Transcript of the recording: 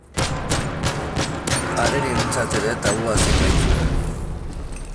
Arerioentzat ere tabua zen gaitz hura.